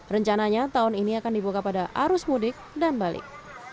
rencananya tahun ini akan dibuka pada arus mudik dan balik